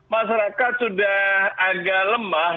masyarakat sudah agak lemah